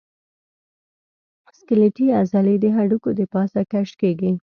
سکلیټي عضلې د هډوکو د پاسه کش کېږي.